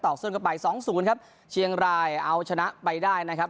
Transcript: ต่อส่วนกลับไป๒๐ครับเชียงรายเอาชนะไปได้นะครับ